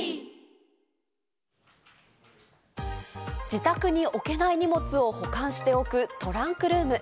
自宅に置けない荷物を保管しておくトランクルーム。